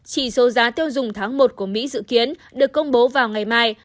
chỉ số giá tiêu dùng tháng một của mỹ dự kiến được công bố vào ngày mai